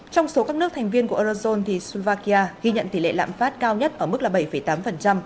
trong số các nước thành viên của eurozone slovakia ghi nhận tỷ lệ lạm phát cao nhất ở mức là bảy tám